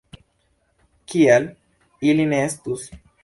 Kial ili ne estus?